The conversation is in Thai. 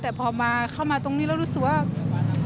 แต่พอมาเข้ามาตรงนี้แล้วรู้สึกว่า